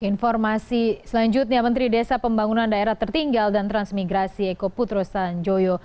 informasi selanjutnya menteri desa pembangunan daerah tertinggal dan transmigrasi eko putro sanjoyo